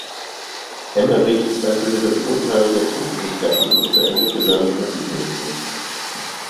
Emmerich zweifelte das Urteil der Punktrichter an und beendete seine Profikarriere.